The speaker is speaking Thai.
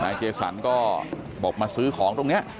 เจสันก็บอกมาซื้อของตรงนี้